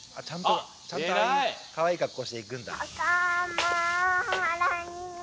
ちゃんとかわいいかっこうしていくんだ。